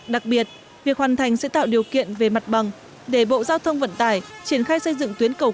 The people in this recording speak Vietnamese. đặc biệt việc hoàn thành sẽ tạo điều kiện về mặt bằng để bộ giao thông vận tải triển khai xây dựng tuyến cầu